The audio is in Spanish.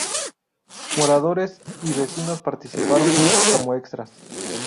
Moradores y vecinos participaron como extras.